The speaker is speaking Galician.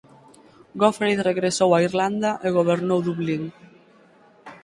Gofraid regresou a Irlanda e gobernou Dublín.